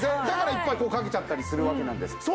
だからいっぱいこうかけちゃったりするわけなんです。